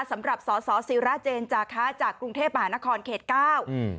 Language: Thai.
สำหรับสอสอศิราเจนจาคะจากกรุงเทพมหานครเขตเก้าอืม